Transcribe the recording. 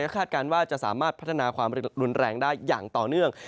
คาดการณ์ว่าจะสามารถพัฒนาความรุนแรงได้อย่างต่อเนื่อง